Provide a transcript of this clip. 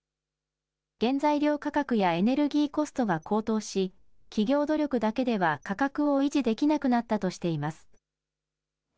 原材料価格やエネルギーコストが高騰し、企業努力だけでは価格を維持できなくなったとしています。